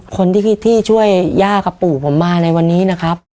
คนที่ช่วยย่ากับปู่ผมมาในวันนี้นะครับ